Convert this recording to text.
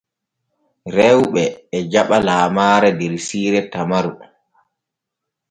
Rewɓe e jaɓa lamaare der siire Tamaru.